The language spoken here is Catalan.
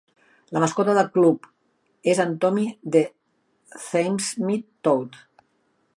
La mascota del club és en Tommy The Thamesmead Toad.